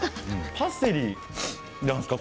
パセリなんですか？